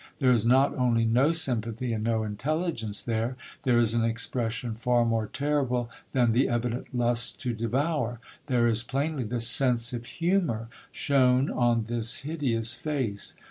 There is not only no sympathy and no intelligence there; there is an expression far more terrible than the evident lust to devour; there is plainly the sense of humour shown on this hideous face.